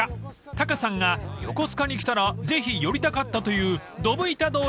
［タカさんが横須賀に来たらぜひ寄りたかったという］